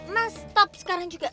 mas stop sekarang juga